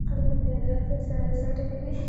قلم له بیعدالتۍ سر ټکوي